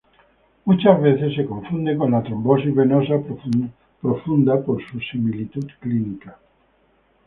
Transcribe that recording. Muchas veces es confundido con la trombosis venosa profunda por su similitud clínica.